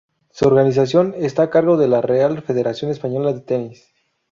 Su organización está a cargo de la Real Federación Española de Tenis.